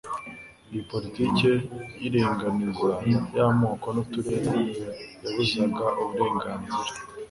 iyi poritiki y'iringaniza ry'amoko n'uturere yabuzaga uburenganzira